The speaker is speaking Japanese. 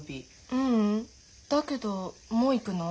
ううんだけどもう行くの？